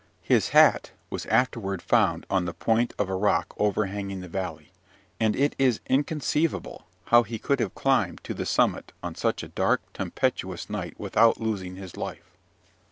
His hat was afterward found on the point of a rock overhanging the valley; and it is inconceivable how he could have climbed to the summit on such a dark, tempestuous night without losing his life.